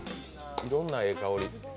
いろんなええ香り。